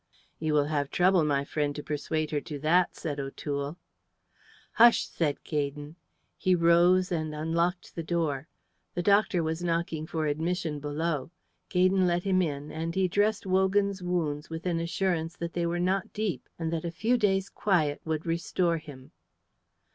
"You will have trouble, my friend, to persuade her to that," said O'Toole. "Hush!" said Gaydon. He rose and unlocked the door. The doctor was knocking for admission below. Gaydon let him in, and he dressed Wogan's wounds with an assurance that they were not deep and that a few days' quiet would restore him.